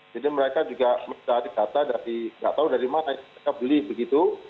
jadi mereka juga bisa dikata dari nggak tahu dari mana mereka beli begitu